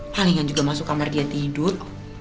palingan juga masuk kamar dia tidur